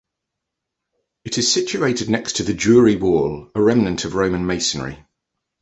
It is situated next to the Jewry Wall, a remnant of Roman masonry.